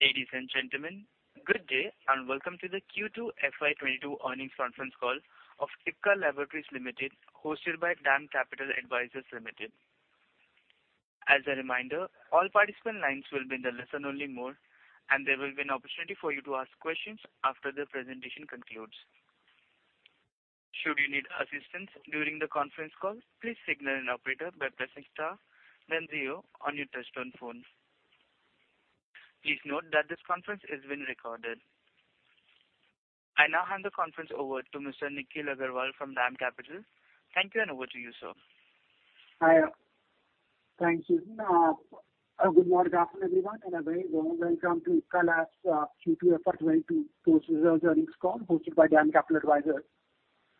Ladies and gentlemen, good day, and welcome to the Q2 FY 2022 earnings conference call of Ipca Laboratories Limited, hosted by DAM Capital Advisors Limited. As a reminder, all participant lines will be in the listen-only mode, and there will be an opportunity for you to ask questions after the presentation concludes. Should you need assistance during the conference call, please signal an operator by pressing star then zero on your touchtone phone. Please note that this conference is being recorded. I now hand the conference over to Mr. Nitin Agarwal from DAM Capital. Thank you, and over to you, sir. Hi. Thank you. Good morning, afternoon, everyone, and a very warm welcome to Ipca Labs Q2 FY 2022 post-results earnings call hosted by DAM Capital Advisors.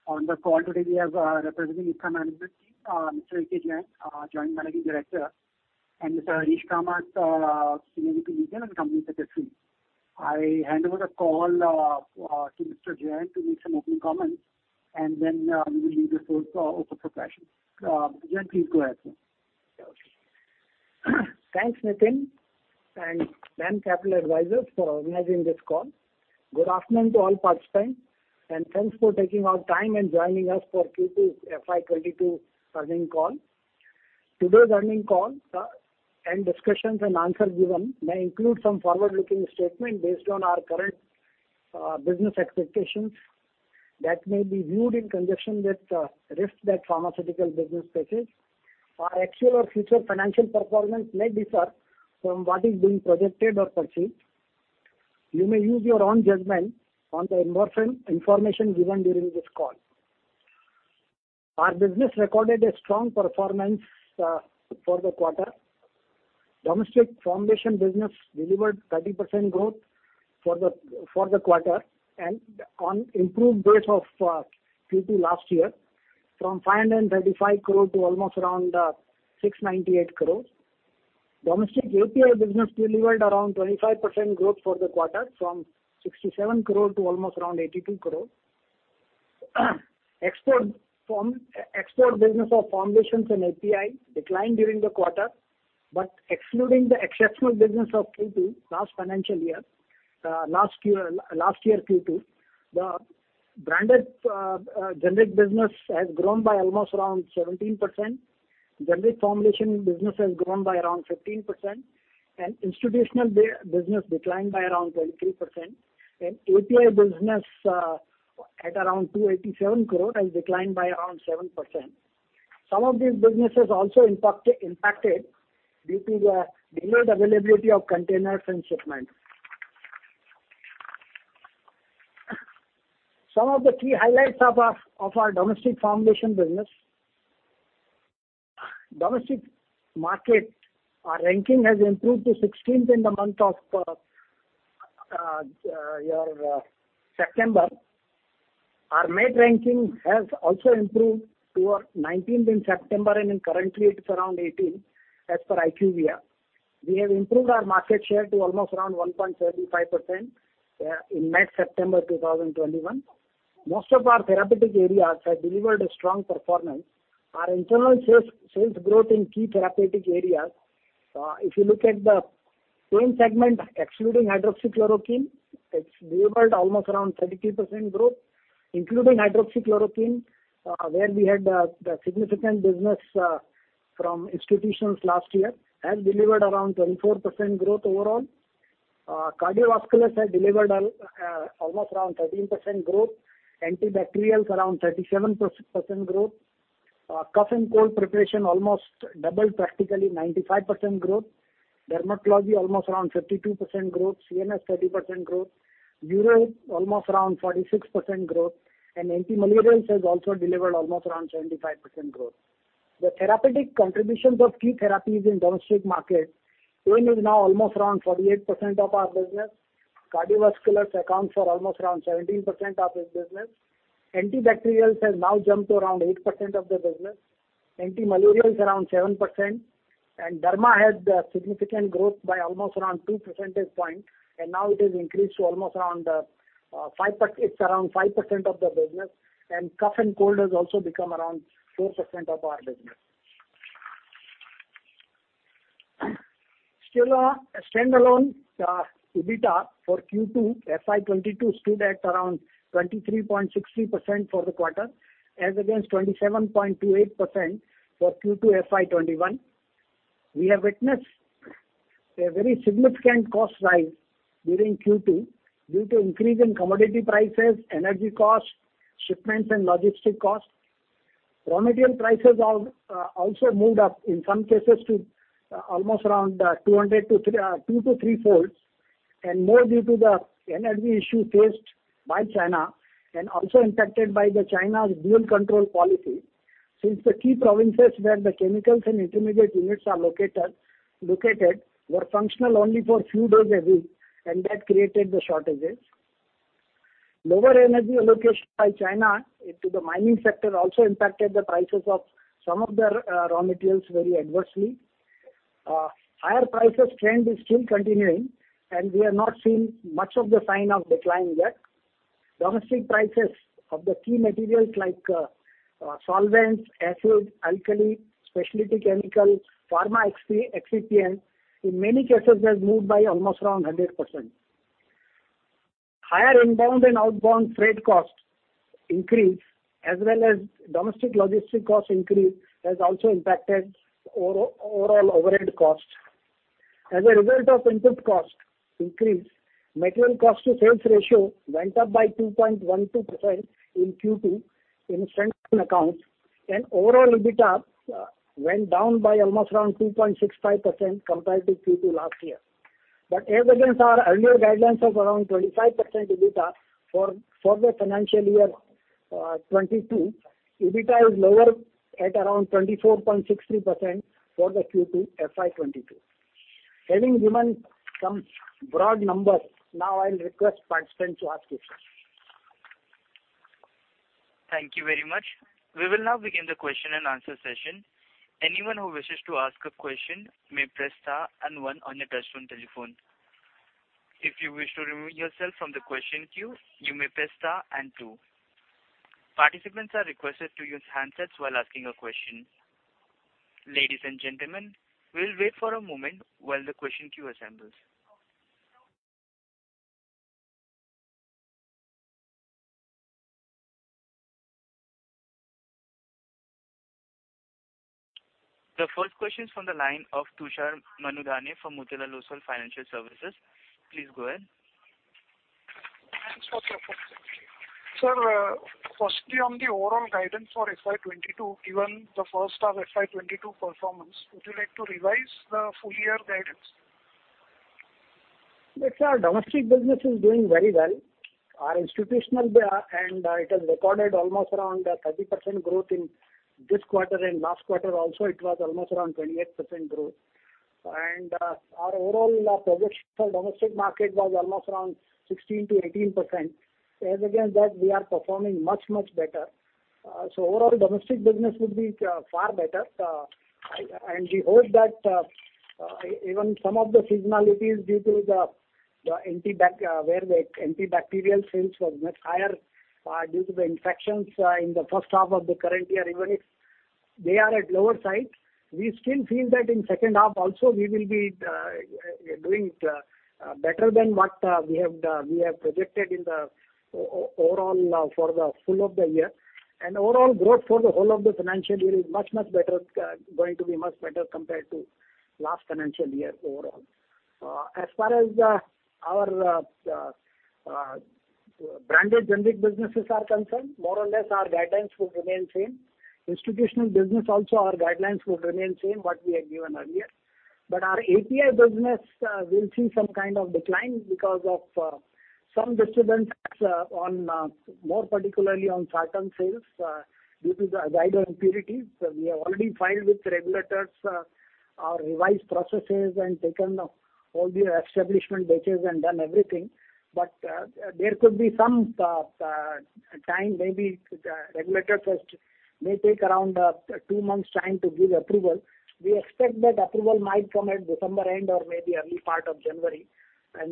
On the call today we have, representing Ipca management team, Mr. AK Jain, Joint Managing Director, and Mr. Harish Kamath, Senior VP Legal and Company Secretary. I hand over the call to Mr. Jain to make some opening comments, and then we will leave the floor open for questions. Jain, please go ahead, sir. Yeah, okay. Thanks, Nitin and DAM Capital Advisors for organizing this call. Good afternoon to all participants, and thanks for taking out time and joining us for Q2 FY 2022 earnings call. Today's earnings call and discussions and answers given may include some forward-looking statements based on our current business expectations that may be viewed in conjunction with risks that pharmaceutical business faces. Our actual or future financial performance may differ from what is being projected or perceived. You may use your own judgment on the information given during this call. Our business recorded a strong performance for the quarter. Domestic formulation business delivered 30% growth for the quarter and on improved base of Q2 last year, from 535 crore to almost around 698 crore. Domestic API business delivered around 25% growth for the quarter, from 67 crore to almost around 82 crore. Export form... Export business of formulations and API declined during the quarter, but excluding the exceptional business of Q2 last financial year, last year Q2, the branded, generic business has grown by almost around 17%. Generic formulation business has grown by around 15%, and institutional business declined by around 23%. API business, at around 287 crore has declined by around 7%. Some of these businesses also impacted due to the delayed availability of containers and shipment. Some of the key highlights of our domestic formulation business. Domestic market, our ranking has improved to 16th in the month of September. Our MAT ranking has also improved to 19th in September, and currently it is around 18th as per IQVIA. We have improved our market share to almost around 1.35%, in MAT September 2021. Most of our therapeutic areas have delivered a strong performance. Our internal sales growth in key therapeutic areas, if you look at the pain segment excluding hydroxychloroquine, it's delivered almost around 32% growth. Including hydroxychloroquine, where we had, the significant business, from institutions last year, has delivered around 24% growth overall. Cardiovasculars have delivered almost around 13% growth. Antibacterials around 37% growth. Cough and cold preparation almost doubled practically, 95% growth. Dermatology almost around 52% growth. CNS 30% growth. Uro almost around 46% growth. Antimalarials has also delivered almost around 75% growth. The therapeutic contributions of key therapies in domestic market, pain is now almost around 48% of our business. Cardiovasculars accounts for almost around 17% of this business. Antibacterials has now jumped to around 8% of the business. Antimalarials around 7%. Derma has the significant growth by almost around two percentage points, and now it is increased to almost around five per... It's around 5% of the business. Cough and cold has also become around 4% of our business. Still our standalone EBITDA for Q2 FY 2022 stood at around 23.60% for the quarter, as against 27.28% for Q2 FY 2021. We have witnessed a very significant cost rise during Q2 due to increase in commodity prices, energy costs, shipments and logistics costs. Raw material prices also moved up, in some cases to almost around 200 to three... 2-3 folds, and more due to the energy issue faced by China, and also impacted by China's dual control policy. Since the key provinces where the chemicals and intermediate units are located were functional only for a few days a week, and that created the shortages. Lower energy allocation by China into the mining sector also impacted the prices of some of the raw materials very adversely. Higher prices trend is still continuing, and we have not seen much of the sign of decline yet. Domestic prices of the key materials like solvents, acid, alkali, specialty chemical, pharma excipients, in many cases has moved by almost around 100%. Higher inbound and outbound freight cost increase, as well as domestic logistic cost increase, has also impacted overall overhead costs. As a result of input cost increase, material cost to sales ratio went up by 2.12% in Q2 in segment accounts. Overall EBITDA went down by almost around 2.65% compared to Q2 last year. As against our earlier guidelines of around 25% EBITDA for the financial year 2022, EBITDA is lower at around 24.63% for the Q2 FY 2022. Having given some broad numbers, now I'll request participants to ask questions. Thank you very much. We will now begin the question and answer session. Anyone who wishes to ask a question may press star and one on your touchtone telephone. If you wish to remove yourself from the question queue, you may press star and two. Participants are requested to use handsets while asking a question. Ladies and gentlemen, we'll wait for a moment while the question queue assembles. The first question is from the line of Tushar Manudhane from Motilal Oswal Financial Services. Please go ahead. Thanks for the opportunity. Sir, firstly on the overall guidance for FY 2022, given the first half FY 2022 performance, would you like to revise the full year guidance? Look, sir, domestic business is doing very well. Our institutional and it has recorded almost around 30% growth in this quarter and last quarter also it was almost around 28% growth. Our overall projection for domestic market was almost around 16%-18%. As against that we are performing much, much better. Overall domestic business would be far better. We hope that even some of the seasonalities due to the antibacterial sales was much higher due to the infections in the first half of the current year. Even if they are at lower side, we still feel that in second half also we will be doing it better than what we have projected in the overall for the full of the year. Overall growth for the whole of the financial year is much, much better going to be much better compared to last financial year overall. As far as our branded generic businesses are concerned, more or less our guidelines will remain same. Institutional business also our guidelines will remain same what we have given earlier. But our API business will see some kind of decline because of some disturbances, more particularly on certain sales, due to the nitrosamine impurities. We have already filed with regulators our revised processes and taken all the establishment batches and done everything. There could be some time, maybe the regulators first may take around 2 months time to give approval. We expect that approval might come at December end or maybe early part of January.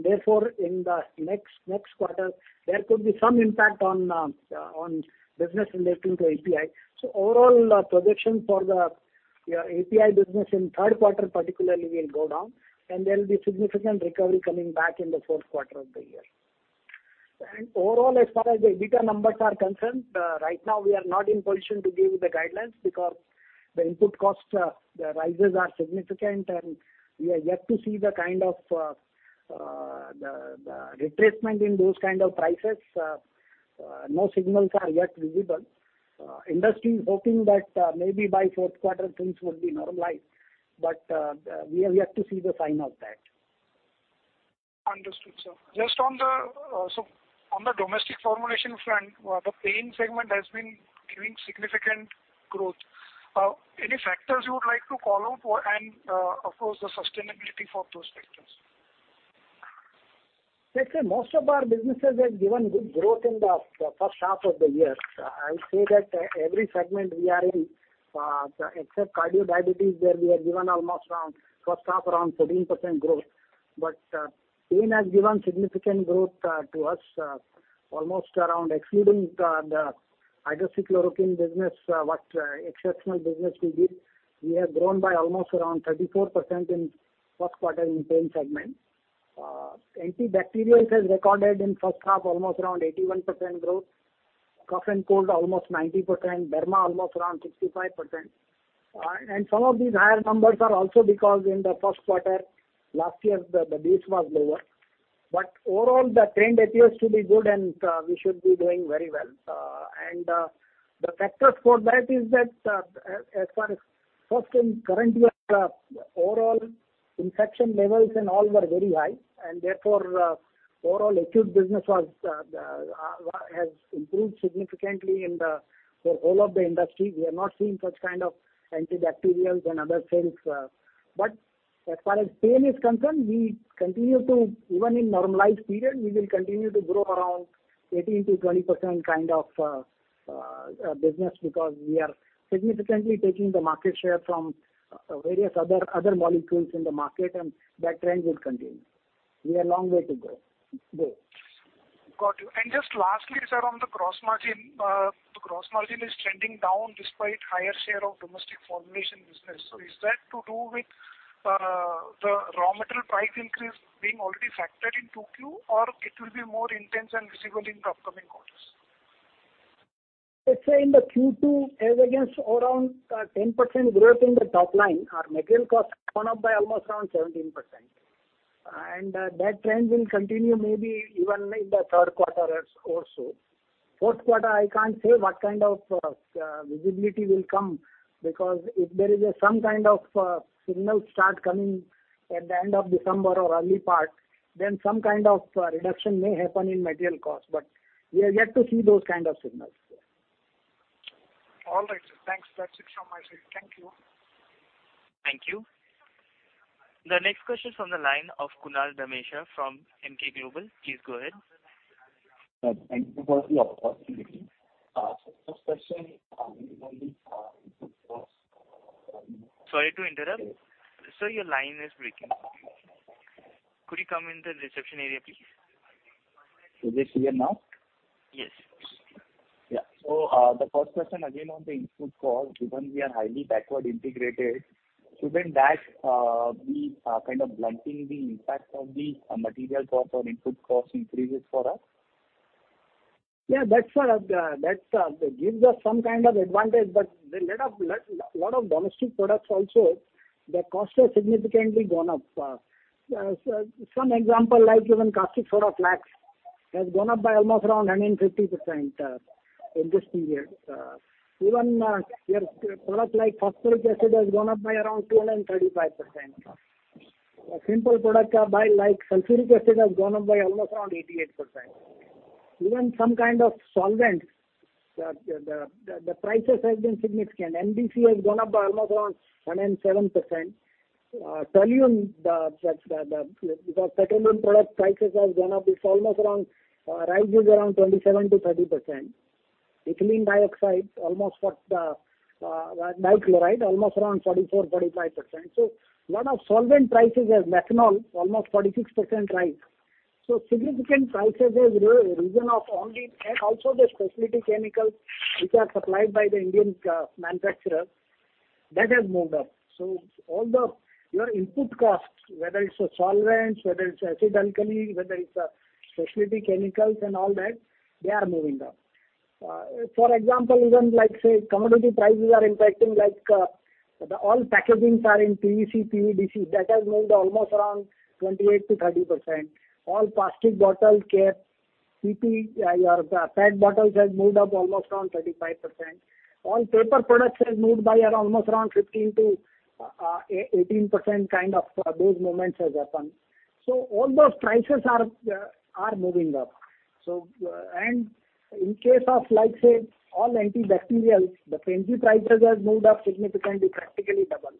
Therefore, in the next quarter, there could be some impact on business relating to API. Overall, projection for the API business in third quarter particularly will go down. There will be significant recovery coming back in the fourth quarter of the year. Overall, as far as the EBITDA numbers are concerned, right now we are not in position to give the guidelines because the input costs, the rises are significant, and we are yet to see the kind of, the retracement in those kind of prices. No signals are yet visible. Industry is hoping that maybe by fourth quarter things will be normalized. We are yet to see the sign of that. Understood, sir. Just on the domestic formulation front, the pain segment has been giving significant growth. Any factors you would like to call out for and, of course, the sustainability for those factors? Let's say most of our businesses have given good growth in the first half of the year. I would say that every segment we are in, except cardio diabetes, there we have given almost around first half around 17% growth. Pain has given significant growth to us almost around excluding the hydroxychloroquine business, what exceptional business we did. We have grown by almost around 34% in first quarter in pain segment. Antibacterials has recorded in first half almost around 81% growth. Cough and cold almost 90%. Derma almost around 65%. And some of these higher numbers are also because in the first quarter last year the base was lower. Overall the trend appears to be good and we should be doing very well. The factors for that is that as far as first in current year overall infection levels and all were very high. Overall acute business has improved significantly in the whole of the industry. We are not seeing such kind of antibacterials and other sales. As far as pain is concerned, we continue to even in normalized period we will continue to grow around 18%-20% kind of business because we are significantly taking the market share from. So various other molecules in the market, and that trend will continue. We are long way to go. Got you. Just lastly, sir, on the gross margin. The gross margin is trending down despite higher share of domestic formulation business. Is that to do with the raw material price increase being already factored in 2Q or it will be more intense and visible in the upcoming quarters? Let's say in the Q2, as against around 10% growth in the top line, our material costs have gone up by almost around 17%. That trend will continue maybe even in the third quarter or so. Fourth quarter, I can't say what kind of visibility will come, because if there is some kind of signal start coming at the end of December or early part, then some kind of reduction may happen in material cost. We are yet to see those kind of signals there. All right, sir. Thanks. That's it from my side. Thank you. Thank you. The next question is from the line of Kunal Dhamesha from Emkay Global. Please go ahead. Thank you for the opportunity. First question will be input costs. Sorry to interrupt. Sir, your line is breaking. Could you come in the reception area, please? Is it clear now? Yes. Yeah. The first question again on the input cost. Given we are highly backward integrated, shouldn't that be kind of blunting the impact of the material cost or input cost increases for us? That gives us some kind of advantage, but there are a lot of domestic products also, their costs have significantly gone up. Some example, like even caustic soda flakes has gone up by almost around 150% in this period. Even your product like phosphoric acid has gone up by around 235%. A simple product like sulfuric acid has gone up by almost around 88%. Even some kind of solvents, the prices have been significant. MDC has gone up by almost around 107%. Toluene, the petroleum product prices has gone up. It's almost around, rise is around 27%-30%. Ethylene dichloride has gone up by almost around 44%-45%. Lot of solvent prices as methanol almost 46% rise. Significant prices has risen up only, and also the specialty chemicals which are supplied by the Indian manufacturer, that has moved up. All your input costs, whether it's solvents, whether it's acid alkali, whether it's specialty chemicals and all that, they are moving up. For example, even like say commodity prices are impacting like the all packagings are in PVC, PVDC. That has moved almost around 28%-30%. All plastic bottle caps, PP, your PET bottles has moved up almost around 35%. All paper products has moved by almost around 15%-18% kind of those movements has happened. All those prices are moving up. In case of like, say, all antibacterials, the fermentation prices have moved up significantly, practically double.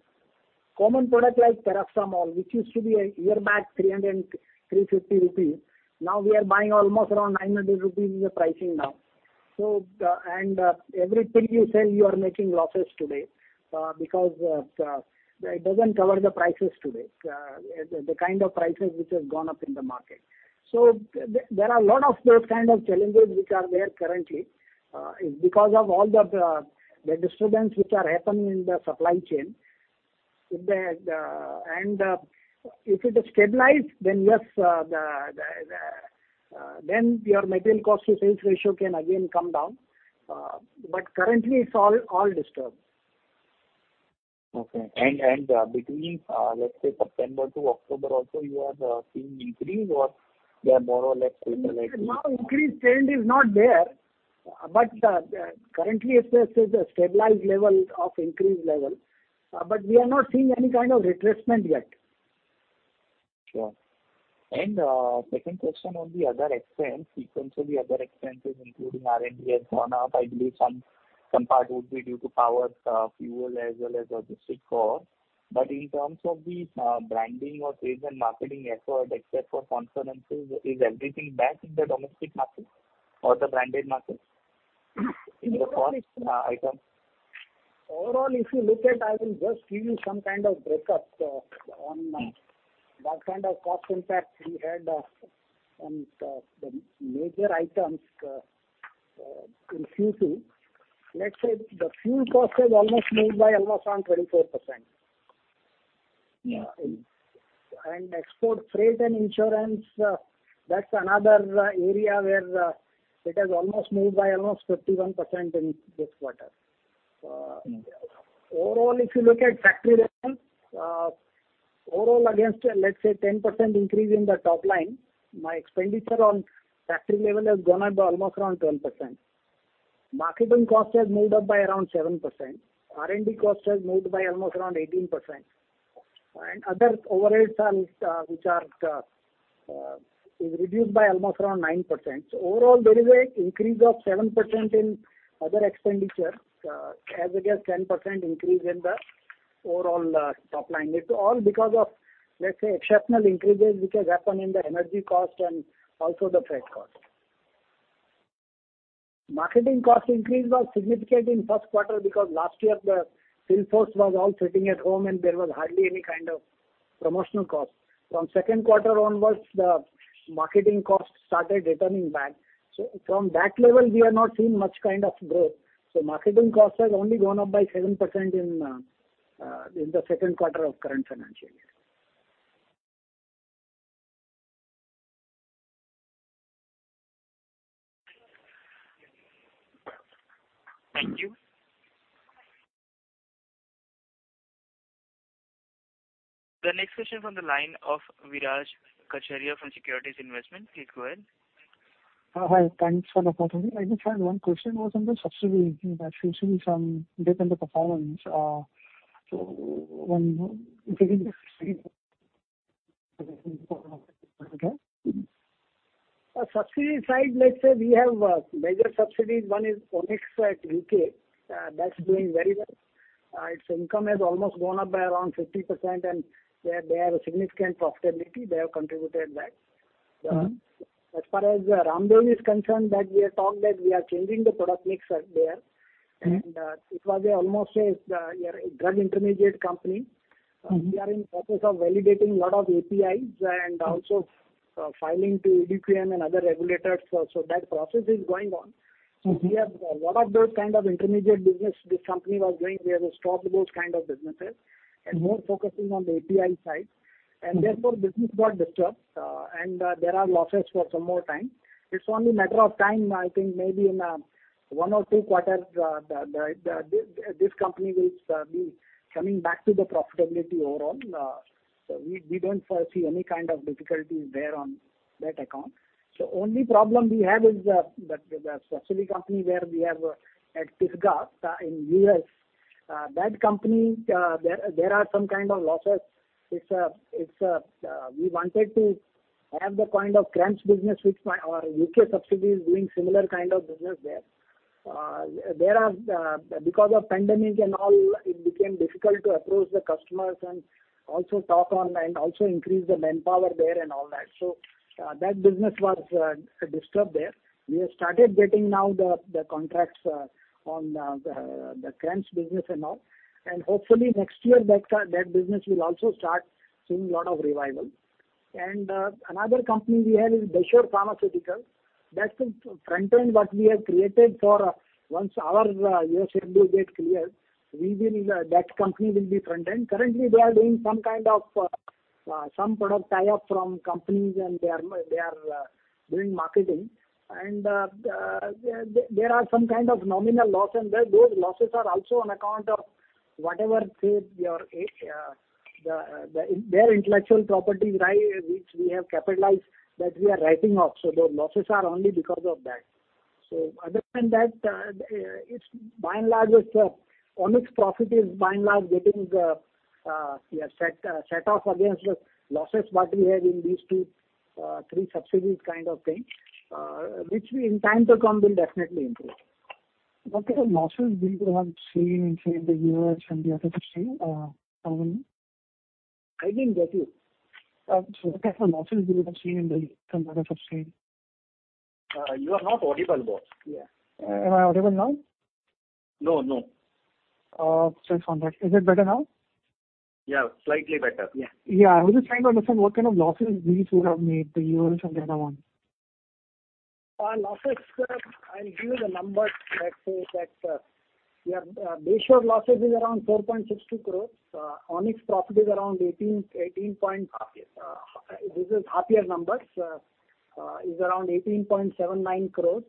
Common product like paracetamol, which used to be a year back, INR 300 and 350 rupee, now we are buying almost around 900 rupees is the pricing now. Every pill you sell, you are making losses today, because it doesn't cover the prices today. The kind of prices which has gone up in the market. There are a lot of those kind of challenges which are there currently, because of all the disturbance which are happening in the supply chain. If it is stabilized, then yes, then your material cost to sales ratio can again come down. But currently it's all disturbed. Okay. Between let's say September to October also you are seeing increase or they are more or less stabilized? No increase trend is not there, but currently it has reached a stabilized level of increased level. We are not seeing any kind of retracement yet. Sure. Second question on the other expense. Sequentially other expenses including R&D has gone up. I believe some part would be due to power, fuel as well as logistics cost. In terms of the branding or trade and marketing effort except for conferences, is everything back in the domestic market or the branded market in the first item? Overall, if you look at, I will just give you some kind of break-up on what kind of cost impact we had on the major items in Q2. Let's say the fuel cost has almost moved by almost around 24%. Yeah. Export freight and insurance, that's another area where it has almost moved by almost 51% in this quarter. Mm-hmm. Overall, if you look at factory level, overall against, let's say 10% increase in the top line, my expenditure on factory level has gone up by almost around 12%. Marketing cost has moved up by around 7%. R&D cost has moved by almost around 18%. Other overheads, which are reduced by almost around 9%. Overall, there is a increase of 7% in other expenditure, as against 10% increase in the overall, top line. It's all because of, let's say, exceptional increases which has happened in the energy cost and also the freight cost. Marketing cost increase was significant in first quarter because last year the sales force was all sitting at home and there was hardly any kind of promotional cost. From second quarter onwards, the marketing costs started returning back. From that level we are not seeing much kind of growth. Marketing costs has only gone up by 7% in the second quarter of current financial year. Thank you. The next question from the line of Viraj Kacharia from Securities Investment. Please go ahead. Hi. Thanks for the opportunity. I just had one question was on the subsidy. I've seen some dip in the performance. When-. On subsidiary side, let's say we have major subsidiaries. One is Onyx in the U.K., that's doing very well. Its income has almost gone up by around 50%, and they have a significant profitability. They have contributed that. Mm-hmm. As far as Ramdev is concerned, that we have talked that we are changing the product mix out there. Mm-hmm. It was almost a drug intermediate company. Mm-hmm. We are in process of validating lot of APIs and also, filing to EDQM and other regulators. That process is going on. Mm-hmm. We have a lot of those kind of intermediate businesses that this company was doing. We have stopped those kind of businesses. Mm-hmm. more focusing on the API side. Mm-hmm. Therefore business got disturbed, and there are losses for some more time. It's only a matter of time. I think maybe in one or two quarters, this company will be coming back to the profitability overall. We don't foresee any kind of difficulties there on that account. Only problem we have is the subsidiary company where we have at Pisgah in U.S. That company, there are some kind of losses. We wanted to have the kind of CRAMS business which our UK subsidiary is doing similar kind of business there. Because of pandemic and all, it became difficult to approach the customers and also talk online, also increase the manpower there and all that. That business was disturbed there. We have started getting now the contracts on the CRAMS business and all. Hopefully next year that business will also start seeing lot of revival. Another company we have is Bayshore Pharmaceuticals. That's the front end what we have created for once our U.S. FDA get cleared, we will, that company will be front end. Currently they are doing some kind of some product tie-up from companies and they are doing marketing and there are some kind of nominal loss and those losses are also on account of whatever, say, our the their intellectual property rights which we have capitalized, that we are writing off. Those losses are only because of that. Other than that, it's by and large Onyx profit is by and large getting set off against the losses what we had in these two, three subsidiaries kind of thing, which we in time to come will definitely improve. What kind of losses do you have seen in, say, the U.S. and the other subsidiary, how many? I didn't get you. What kind of losses do you have seen in some other subsidiary? You are not audible, bro. Yeah. Am I audible now? No, no. Sorry for that. Is it better now? Yeah, slightly better. Yeah. Yeah. I was just trying to understand what kind of losses these would have made, the U.S. and the other one. I'll give you the numbers. Let's say that, Bayshore losses is around 4.62 crores. Onyx profit is around 18 point- Half year. This is half-year numbers, which is around 18.79 crores.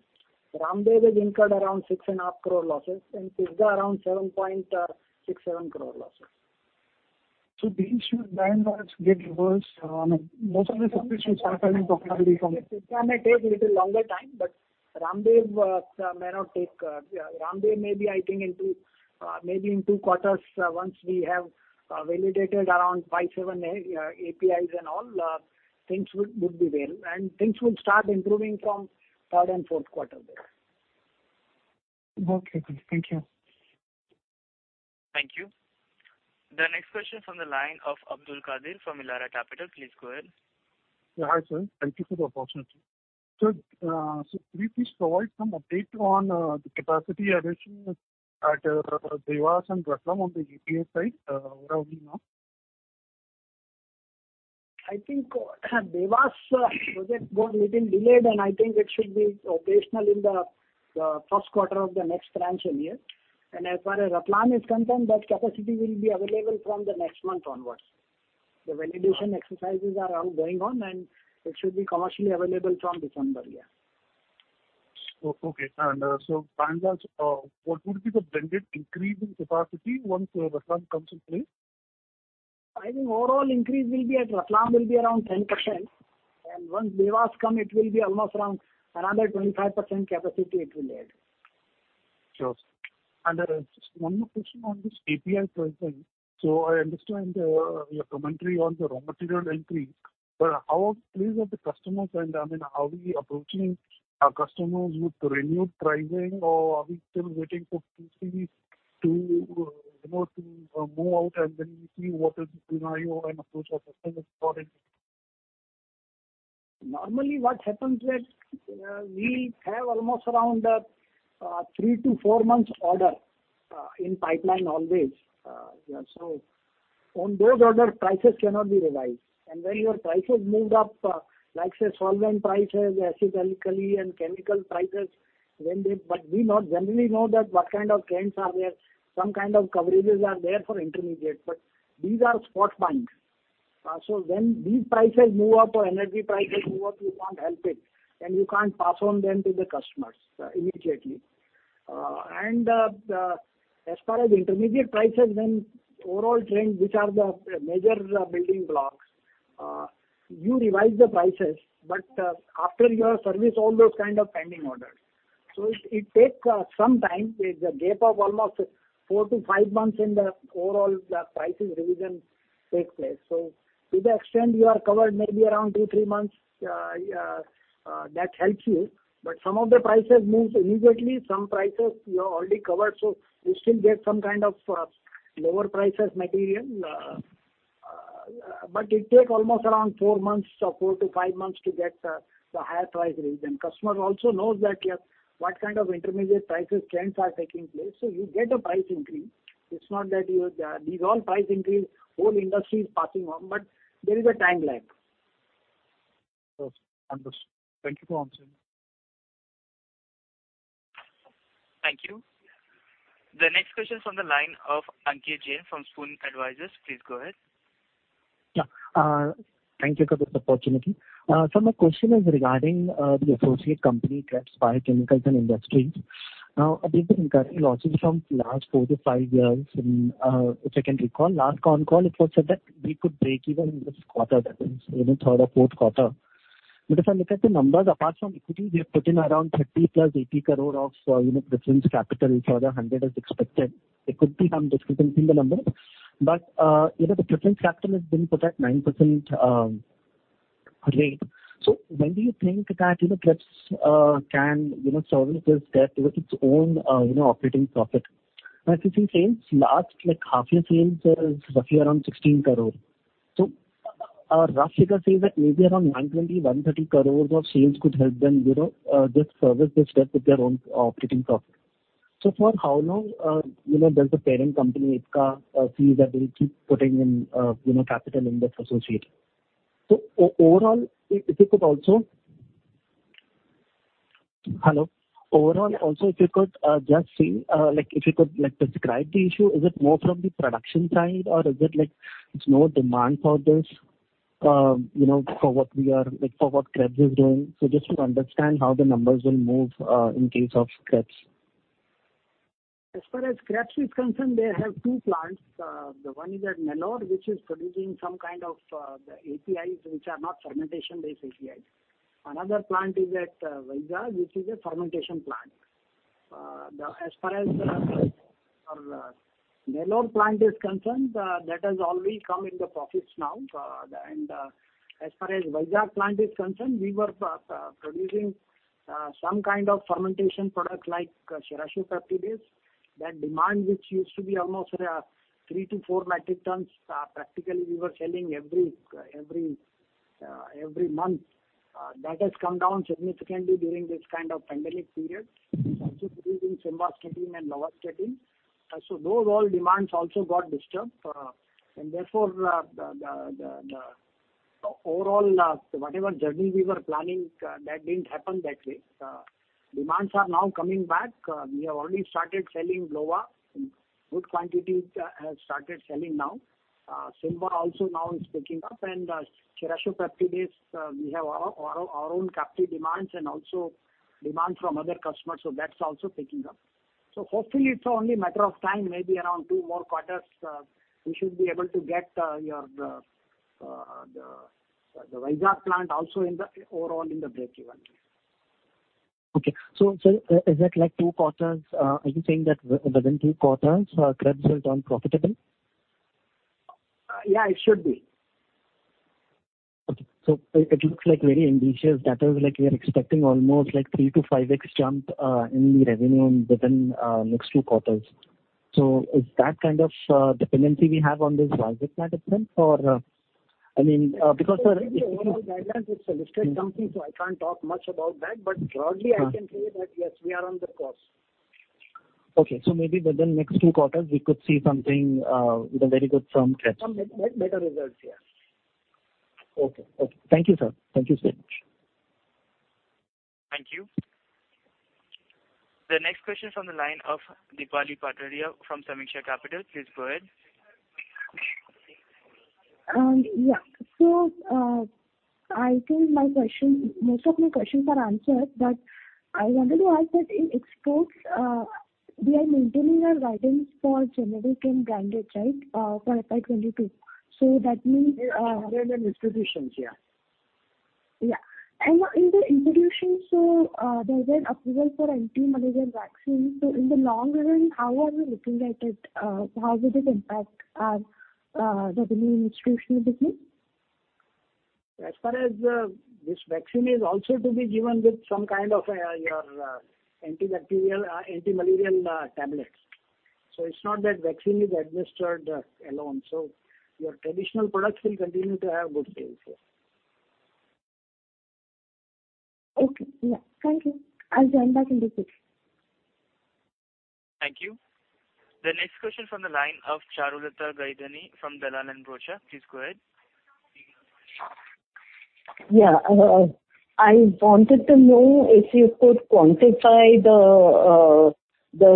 Ramdev has incurred around 6 and a half crore losses and Pisgah around 7.67 crore losses. These should by and large get reversed. I mean, most of the subsidies should start having profitability from Pisgah may take little longer time, but Ramdev may be I think in 2, maybe in 2 quarters, once we have validated around 5-7 APIs and all, things would be well, and things will start improving from third and fourth quarter there. Okay, cool. Thank you. Thank you. The next question from the line of Abdulkader Puranwala from Elara Capital. Please go ahead. Yeah. Hi, sir. Thank you for the opportunity. Could you please provide some update on the capacity addition at Dewas and Ratlam on the API side, where are we now? I think, Dewas project was little delayed, and I think it should be operational in the first quarter of the next financial year. As far as Ratlam is concerned, that capacity will be available from the next month onwards. Okay. The validation exercises are all going on, and it should be commercially available from December, yeah. Okay. By and large, what would be the blended increase in capacity once Ratlam comes in play? I think overall increase will be at Ratlam around 10%. Once Dewas come, it will be almost around another 25% capacity it will add. Sure. Just one more question on this API pricing. I understand your commentary on the raw material increase, but how pleased are the customers? I mean, are we approaching our customers with renewed pricing or are we still waiting for TCP to, you know, move out and then we see what is the scenario and approach our customers accordingly? Normally what happens is, we have almost around 3 to 4 months order in pipeline always. On those orders, prices cannot be revised. When your prices moved up, like, say, solvent prices, acid, alkali and chemical prices. We generally know that what kind of trends are there, some kind of coverages are there for intermediate, but these are spot buys. When these prices move up or energy prices move up, you can't help it, and you can't pass on them to the customers immediately. As far as intermediate prices, when overall trend, which are the major building blocks, you revise the prices, but after you have serviced all those kind of pending orders. It takes some time. There's a gap of almost 4-5 months in the overall prices revision takes place. To the extent you are covered maybe around 2-3 months, that helps you. Some of the prices moves immediately. Some prices you have already covered, so you still get some kind of lower prices material. It take almost around 4 months or 4-5 months to get the higher price revision. Customer also knows that, yes, what kind of intermediate prices trends are taking place, so you get a price increase. It's not that you these all price increase, whole industry is passing on, but there is a timeline. Understood. Thank you for answering. Thank you. The next question is on the line of Ankit Jain from Spoon Advisors. Please go ahead. Thank you for this opportunity. My question is regarding the associate company, Krebs Biochemicals & Industries. They've been incurring losses for the last 4 to 5 years. If I can recall, last con call it was said that we could break even in this quarter, that means either third or fourth quarter. If I look at the numbers, apart from equity, we have put in around 30 crore plus 80 crore of preference capital. If another 100 crore is expected, there could be some discrepancy in the numbers. The preference capital has been put at 9% rate. When do you think that Krebs can service this debt with its own operating profit? Now, if you see sales last, like half year sales is roughly around 16 crore. A rough figure says that maybe around 920, 130 crores of sales could help them, you know, just service this debt with their own operating profit. For how long, you know, does the parent company, Ipca, feels that they'll keep putting in, you know, capital in this associate? Overall, if you could also describe the issue. Hello? Is it more from the production side or is it like it's more demand for this, you know, for what Krebs is doing? Just to understand how the numbers will move, in case of Krebs. As far as Krebs is concerned, they have two plants. The one is at Nellore, which is producing some kind of the APIs, which are not fermentation-based APIs. Another plant is at Vizag, which is a fermentation plant. As far as our Nellore plant is concerned, that has already come in the profits now. As far as Vizag plant is concerned, we were producing some kind of fermentation products like serratiopeptidase. That demand which used to be almost 3-4 metric tons, practically we were selling every month. That has come down significantly during this kind of pandemic period. It's also producing simvastatin and lovastatin. Those all demands also got disturbed. Therefore, the overall, so whatever journey we were planning, that didn't happen that way. Demands are now coming back. We have already started selling lovastatin. Good quantities have started selling now. Simvastatin also now is picking up. Serratiopeptidase, we have our own captive demands and also demand from other customers, so that's also picking up. Hopefully it's only a matter of time, maybe around two more quarters, we should be able to get the Vizag plant also in the overall breakeven. Sir, is that like two quarters? Are you saying that within two quarters, Krebs will turn profitable? Yeah, it should be. Okay. It looks like very ambitious. That is like we are expecting almost like 3-5x jump in the revenue within next two quarters. Is that kind of dependency we have on this Vizag plant, I think? Or, I mean, because, sir- Overall guidance, it's a listed company, so I can't talk much about that. Broadly I can say that, yes, we are on the course. Okay. Maybe within next two quarters we could see something with a very good from Krebs. Some better results, yes. Okay. Okay. Thank you, sir. Thank you so much. Thank you. The next question is on the line of Deepali Patadia from Sameeksha Capital. Please go ahead. Yeah. I think most of my questions are answered, but I wanted to ask that in exports, we are maintaining our guidance for generic and branded, right, for FY 2022. That means, Generic and distributions, yeah. Yeah. In the institutions, there is an approval for anti-malaria vaccine. In the long run, how are you looking at it? How will it impact our revenue institutional business? As far as this vaccine is also to be given with some kind of your antibacterial antimalarial tablets. It's not that vaccine is administered alone. Your traditional products will continue to have good sales here. Okay. Yeah. Thank you. I'll join back in the queue. Thank you. The next question from the line of Charulata Gaidhani from Dalal & Broacha. Please go ahead. Yeah. I wanted to know if you could quantify the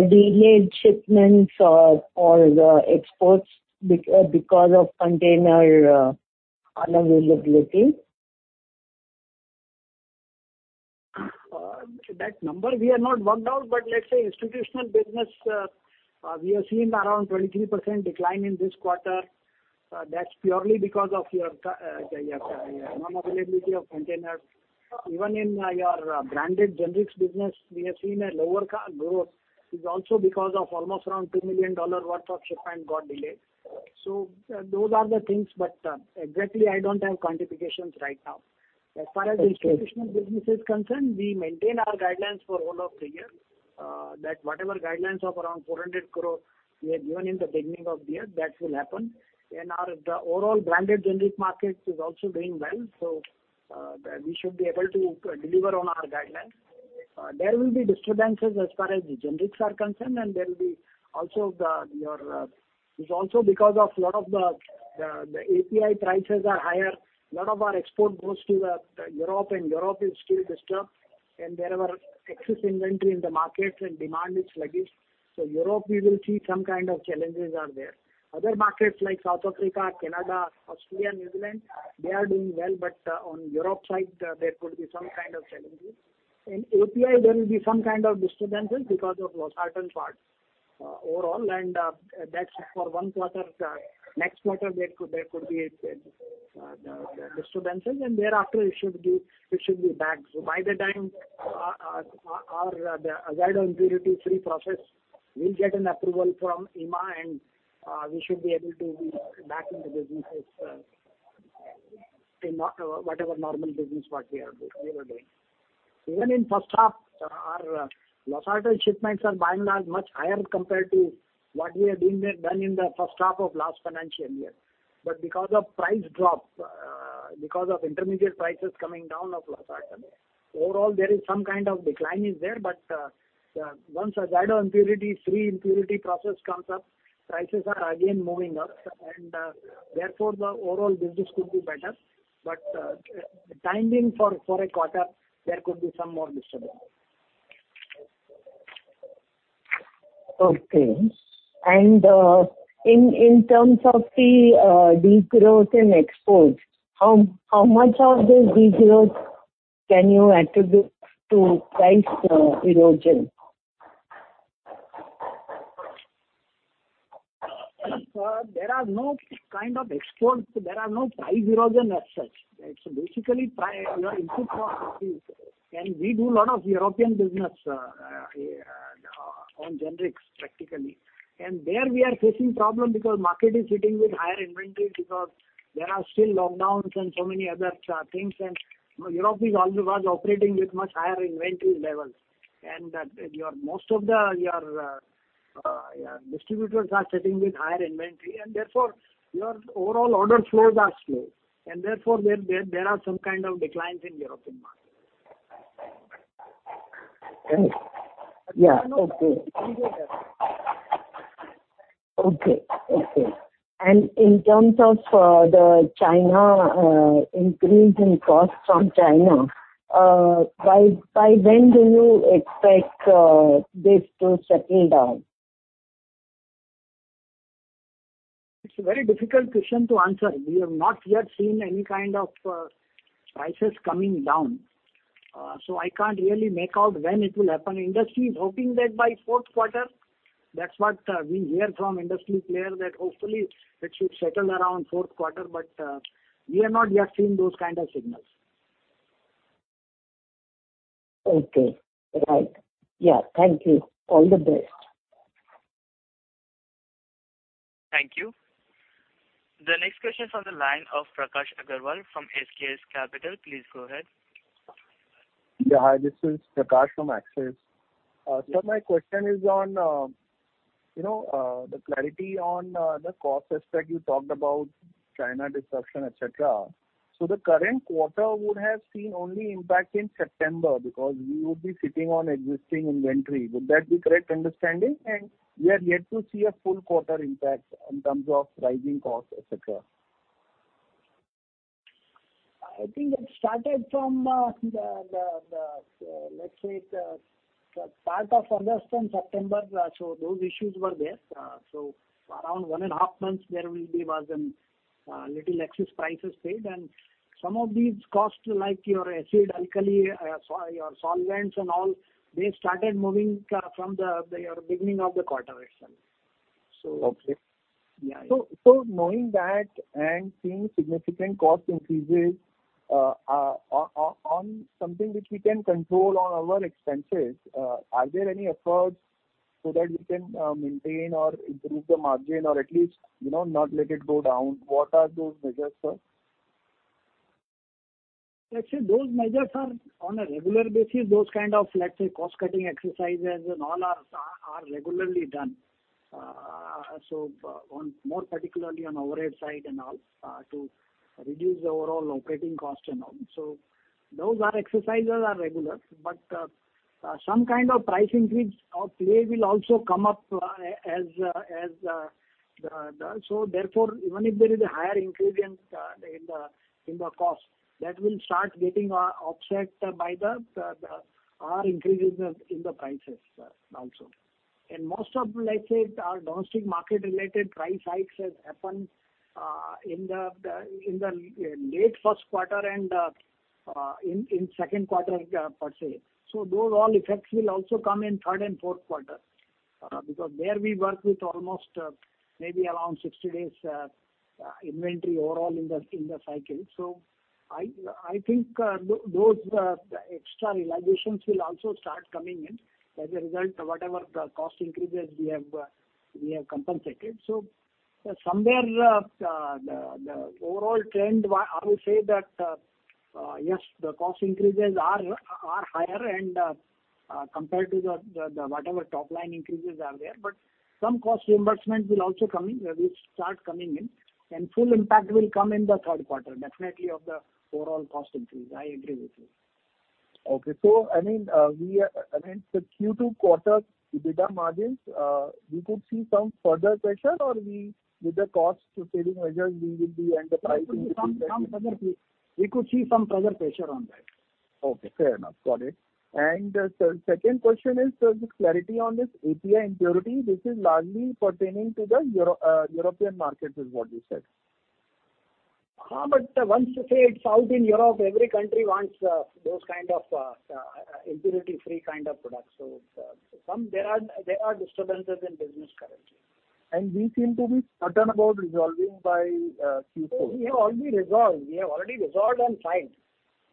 delayed shipments or the exports because of container unavailability. That number we have not worked out. Let's say institutional business, we have seen around 23% decline in this quarter. That's purely because of your non-availability of containers. Even in your branded generics business, we have seen a lower growth. It's also because of almost around $2 million worth of shipment got delayed. Those are the things. Exactly, I don't have quantifications right now. Okay. As far as the institutional business is concerned, we maintain our guidelines for all of the year. That whatever guidelines of around 400 crore we had given in the beginning of the year, that will happen. The overall branded generic market is also doing well, we should be able to deliver on our guidelines. There will be disturbances as far as the generics are concerned, and there will be also. It's also because of a lot of the API prices are higher. A lot of our export goes to the Europe, and Europe is still disturbed. There were excess inventory in the market and demand is sluggish. Europe we will see some kind of challenges are there. Other markets like South Africa, Canada, Australia, New Zealand, they are doing well, but on Europe side, there could be some kind of challenges. In API, there will be some kind of disturbances because of losartan part, overall, and that's for one quarter. Next quarter there could be disturbances, and thereafter it should be back. By the time our the azido impurity free process will get an approval from EMA and we should be able to be back in the businesses, in what whatever normal business what we were doing. Even in first half, our losartan shipments are by and large much higher compared to what we had been there done in the first half of last financial year. Because of intermediate prices coming down of losartan, overall there is some kind of decline is there. Once azido impurity-free process comes up, prices are again moving up, and therefore the overall business could be better. Timing for a quarter there could be some more disturbance. Okay. In terms of the degrowth in exports, how much of this degrowth can you attribute to price erosion? There are no kind of exports. There are no price erosion as such. It's basically our input cost increases. We do a lot of European business on generics, practically. There we are facing problem because market is sitting with higher inventories because there are still lockdowns and so many other things. Europe is always was operating with much higher inventory levels. Most of our distributors are sitting with higher inventory and therefore our overall order flows are slow. Therefore, there are some kind of declines in European markets. Yeah. Okay. In terms of the China increase in costs from China, by when do you expect this to settle down? It's a very difficult question to answer. We have not yet seen any kind of prices coming down. I can't really make out when it will happen. Industry is hoping that by fourth quarter, that's what we hear from industry players, that hopefully it should settle around fourth quarter. We have not yet seen those kind of signals. Okay. Right. Yeah. Thank you. All the best. Thank you. The next question is on the line of Prakash Agarwal from Axis Capital. Please go ahead. Yeah. Hi, this is Prakash from Axis. My question is on, you know, the clarity on, the cost aspect you talked about China disruption, et cetera. The current quarter would have seen only impact in September because we would be sitting on existing inventory. Would that be correct understanding? We are yet to see a full quarter impact in terms of rising costs, et cetera. I think it started from the, let's say, the part of August and September. Those issues were there. Around 1.5 months there was a little excess prices paid. Some of these costs, like our acid, alkali, or solvents and all, they started moving from our beginning of the quarter itself. Okay. Yeah. Knowing that and seeing significant cost increases in something which we can control on our expenses, are there any efforts so that we can maintain or improve the margin or at least, you know, not let it go down? What are those measures, sir? Let's say those measures are on a regular basis, those kind of, let's say, cost-cutting exercises and all are regularly done. More particularly on overhead side and all, to reduce the overall operating cost and all. Those exercises are regular, but some kind of price increase or play will also come up. Therefore, even if there is a higher ingredient in the cost, that will start getting offset by our increases in the prices also. Most of, let's say, our domestic market related price hikes has happened in the late first quarter and in second quarter per se. Those all effects will also come in third and fourth quarter, because there we work with almost maybe around 60 days inventory overall in the cycle. I think those extra realizations will also start coming in as a result of whatever the cost increases we have compensated. Somewhere the overall trend, I will say that yes, the cost increases are higher and compared to the whatever top line increases are there. Some cost reimbursement will also come in, will start coming in, and full impact will come in the third quarter, definitely of the overall cost increase. I agree with you. Okay. I mean the Q2 quarter EBITDA margins, we could see some further pressure or we with the cost saving measures we will be and the pricing. We could see some further pressure on that. Okay. Fair enough. Got it. The second question is just clarity on this API impurity, which is largely pertaining to the European markets, is what you said. Once you say it's out in Europe, every country wants those kind of impurity-free kind of products. There are some disturbances in business currently. We seem to be certain about resolving by Q4. We have already resolved and filed.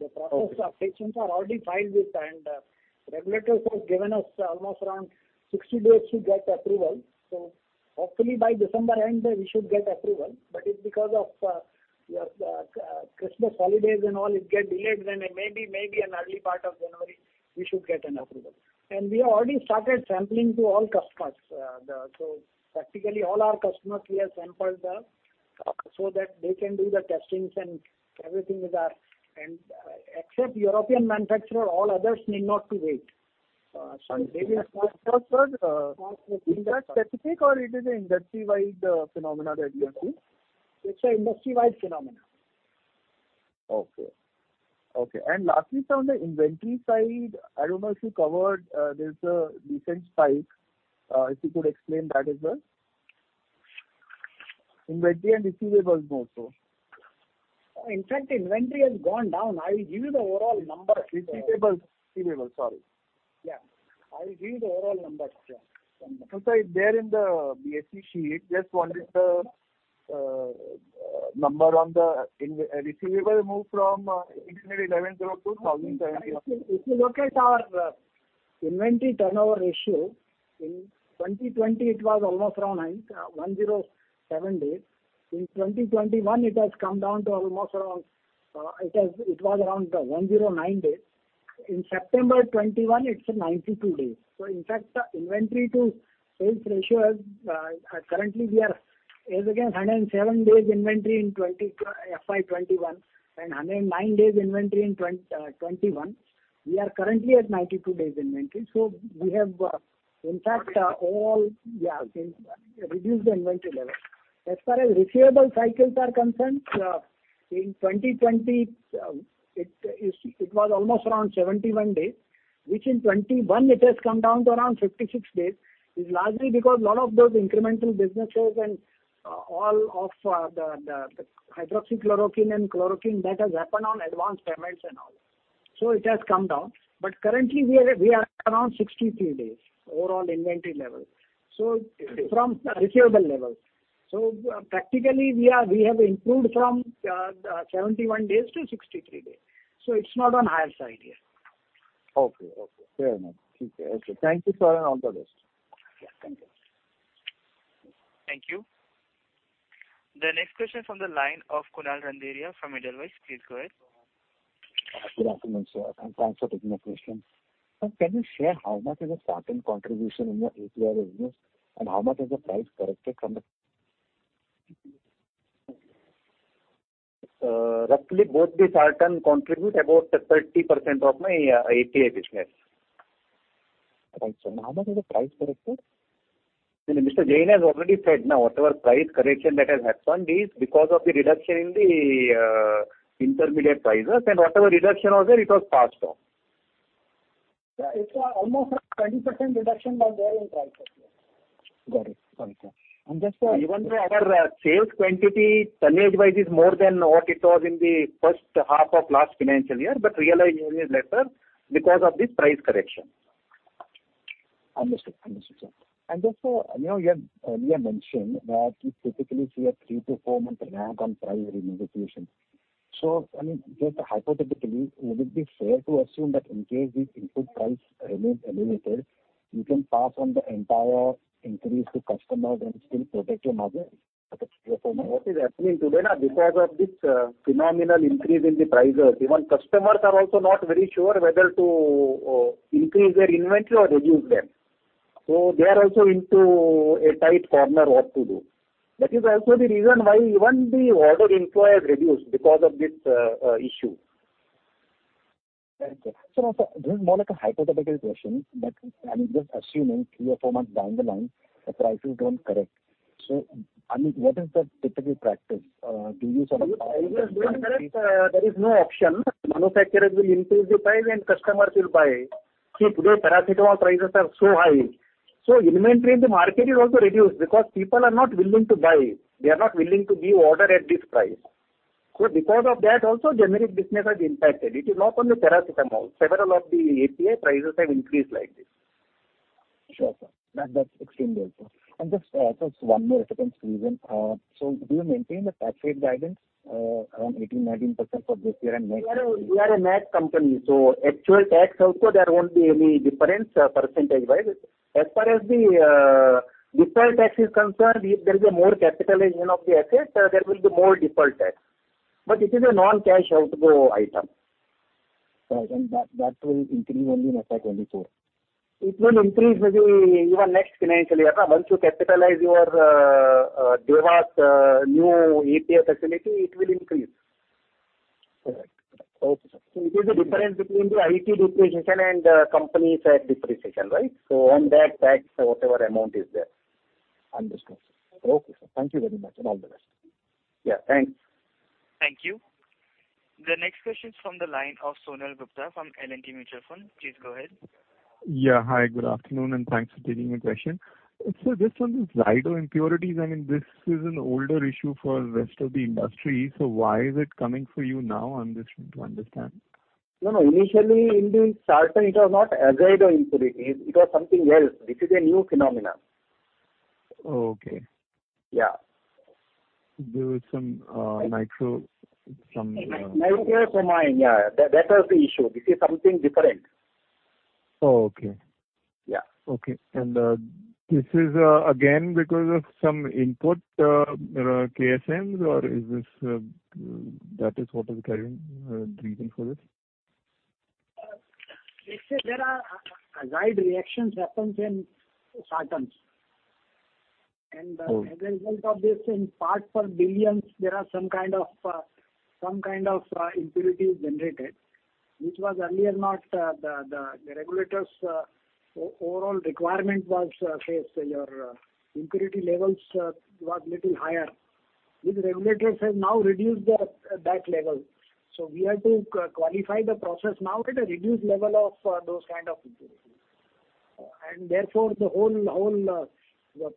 Okay. The process applications are already filed, and regulators have given us almost around 60 days to get approval. Hopefully by December end we should get approval. If because of Christmas holidays and all it get delayed, then it may be in early part of January we should get an approval. We have already started sampling to all customers. Practically all our customers we have sampled, so that they can do the testing and everything with our. Except European manufacturer, all others need not to wait. Maybe- Sir. Is that specific or it is a industry-wide, phenomena that you are seeing? It's an industry-wide phenomenon. Lastly, sir, on the inventory side, I don't know if you covered, there's a recent spike. If you could explain that as well, inventory and receivables more so. In fact, inventory has gone down. I'll give you the overall number. Receivables, sorry. Yeah. I'll give you the overall numbers. Yeah. Sir, they're in the Excel sheet. Just wanted the number on the receivable move from 18,110 to 1,070. If you look at our inventory turnover ratio, in 2020 it was almost around 107 days. In 2021 it has come down to almost around 109 days. In September 2021, it's 92 days. In fact, inventory to sales ratio is currently 107 days inventory in FY 2021 and 109 days inventory in 2021. We are currently at 92 days inventory. We have in fact since reduced the inventory level. As far as receivable cycles are concerned, in 2020, it was almost around 71 days, which in 2021 it has come down to around 56 days, is largely because a lot of those incremental businesses and all of the hydroxychloroquine and chloroquine that has happened on advanced payments and all. It has come down. Currently we are around 63 days overall inventory level, so from receivable level. Practically we have improved from 71 days to 63 days. It's not on higher side. Okay. Okay. Fair enough. Thank you. Okay. Thank you, sir, and all the best. Yeah. Thank you. Thank you. The next question from the line of Kunal Randeria from Edelweiss. Please go ahead. Good afternoon, sir, and thanks for taking my question. Sir, can you share how much is the sartan contribution in your API revenues and how much is the price corrected from the? Roughly both the sartans contribute about 30% of my API business. Right, sir. How much is the price corrected? No, no, Mr. Jain has already said, no, whatever price correction that has happened is because of the reduction in the intermediate prices and whatever reduction was there, it was passed on. Sir, it's almost a 20% reduction was there in price correction. Got it, sir. Just, Even though our sales quantity tonnage-wise is more than what it was in the first half of last financial year, but realization is lesser because of this price correction. Understood, sir. Just, you know, you had earlier mentioned that you typically see a 3-4 month lag on price renegotiation. I mean, just hypothetically, would it be fair to assume that in case these input price remains elevated, you can pass on the entire increase to customers and still protect your margin? What is happening today now because of this, phenomenal increase in the prices, even customers are also not very sure whether to, increase their inventory or reduce them. They are also into a tight corner what to do. That is also the reason why even the order inflow has reduced because of this, issue. Okay. This is more like a hypothetical question, but I'm just assuming three or four months down the line, the prices don't correct. I mean, what is the typical practice? Do you sort of- There is no option. Manufacturers will increase the price and customers will buy. See, today paracetamol prices are so high, so inventory in the market is also reduced because people are not willing to buy. They are not willing to give order at this price. Because of that also generic business is impacted. It is not only paracetamol. Several of the API prices have increased like this. Sure, sir. That's extremely helpful. Just one more second, Srikanth. Do you maintain the tax rate guidance around 18%-19% for this year and next? We are a MAT company, so actual tax also there won't be any difference, percentage-wise. As far as the deferred tax is concerned, if there is a more capitalization of the assets, there will be more deferred tax. It is a non-cash outgo item. Right. That will increase only in FY 2024. It will increase maybe even next financially. Once you capitalize your Dewas new API facility, it will increase. Correct. Okay, sir. It is the difference between the IT depreciation and company side depreciation, right? On that tax, whatever amount is there. Understood, sir. Okay, sir. Thank you very much, and all the best. Yeah, thanks. Thank you. The next question is from the line of Sonal Gupta from L&T Mutual Fund. Please go ahead. Yeah. Hi, good afternoon, and thanks for taking my question. Just on this azido impurities, I mean, this is an older issue for rest of the industry, so why is it coming for you now? I'm just trying to understand. No, no. Initially in the sartan it was not azido impurity. It was something else. This is a new phenomenon. Oh, okay. Yeah. There was some nitrosamine. Nitrosamine, yeah. That was the issue. This is something different. Oh, okay. Yeah. Okay. This is again because of some inputs KSMs or is this, that is, what is carrying reason for this? Let's say there are azido reactions happen in sartans. As a result of this in parts per billion, there are some kind of impurities generated, which was earlier not the regulator's overall requirement was, say, your impurity levels was little higher, which regulators have now reduced that level. We have to qualify the process now at a reduced level of those kind of impurities. Therefore the whole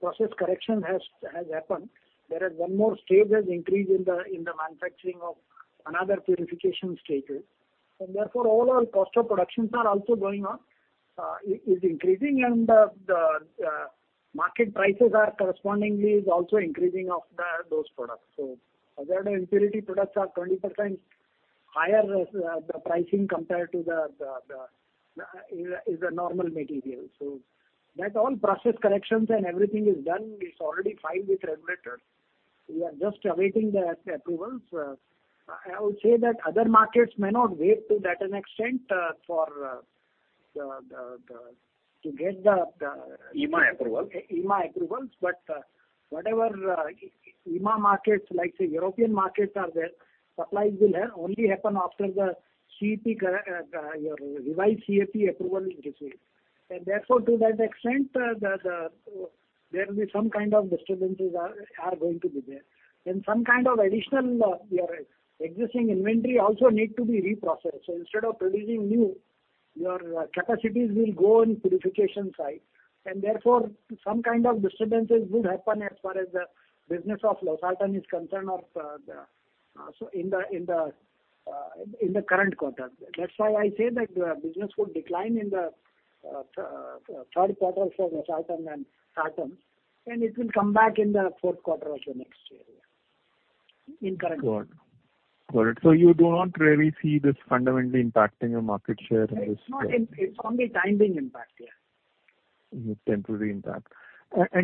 process correction has happened. There are one more stages increase in the manufacturing of another purification stages. Therefore overall cost of productions are also going up. It is increasing and the market prices are correspondingly also increasing of those products. Azido impurity products are 20% higher in pricing compared to a normal material. All process corrections and everything is done. It's already filed with regulators. We are just awaiting the approvals. I would say that other markets may not wait to that extent. EMA approval. EMA approvals. Whatever, EMA markets like, say, European markets are there, supplies will only happen after the CEP, your revised CEP approval is received. Therefore, to that extent, there will be some kind of disturbances are going to be there. Some kind of additional, your existing inventory also need to be reprocessed. Instead of producing new, your capacities will go in purification side. Therefore some kind of disturbances will happen as far as the business of losartan is concerned or, the, so in the current quarter. That's why I say that the business would decline in the third quarter for losartan and sartans, and it will come back in the fourth quarter of the next year. In current- Got it. You do not really see this fundamentally impacting your market share and this. It's only timing impact, yeah. It's temporary impact.